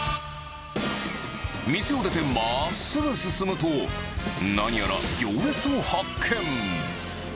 店を出て、まっすぐ進むと、何やら行列を発見。